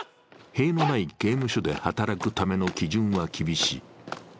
塀のない刑務所で働くための基準は厳しい。